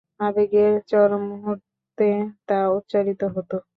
আবেগের চরম মুহূর্তে তা উচ্চারিত হত।